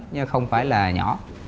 nhưng không phải là nhỏ